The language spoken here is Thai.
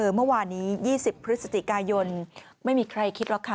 แม่ของเธอเมื่อวานี้๒๐พฤศจิกายนไม่มีใครคิดหรอกค่ะ